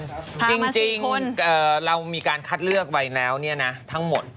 จริงเรามีการคัดเลือกไว้แล้วเนี่ยนะทั้งหมด